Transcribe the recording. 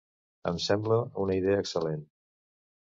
Em sembla una idea excel·lent.